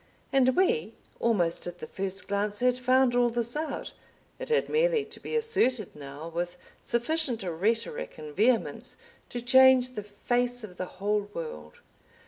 And we, almost at the first glance, had found all this out, it had merely to be asserted now with sufficient rhetoric and vehemence to change the face of the whole world.